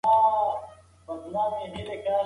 د پوهې په رڼا کې انسان د خپل کلتوري میراث ارزښت پېژني.